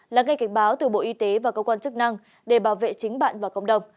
là ngay cảnh báo từ bộ y tế và cơ quan chức năng để bảo vệ chính bạn và cộng đồng